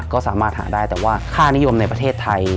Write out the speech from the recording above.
ก็สามารถหาได้แต่ว่าค่านิยมในประเทศไทย